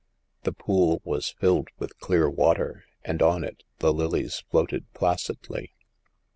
The pool was filled with clear water, and on it the lilies floated placidly.